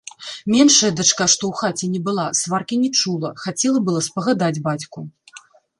Меншая дачка, што ў хаце не была, сваркі не чула, хацела была спагадаць бацьку.